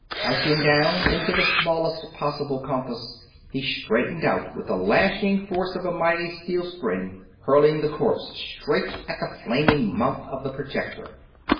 Crouching down into the smallest possible compass, he straightened out with the lashing force of a mighty steel spring, hurling the corpse straight at the flaming mouth of the projector.